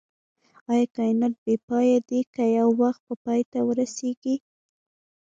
ايا کائنات بی پایه دی که يو وخت به پای ته ورسيږئ